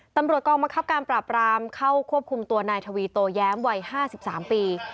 ตำรวจกองบังคับการปราบรามเข้าควบคุมตัวนายทวีโตแย้มวัย๕๓ปี